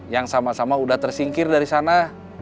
yang sama sama sudah tersingkir dari sana